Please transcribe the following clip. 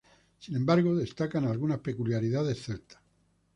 Sin embargo, destacan algunas peculiaridades celtas.